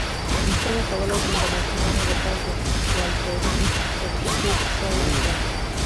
څنګه کولی شم د ماشومانو لپاره د سوالګرو فرښتو کیسه وکړم